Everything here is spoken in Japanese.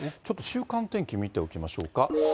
ちょっと週間天気見ておきましょうか。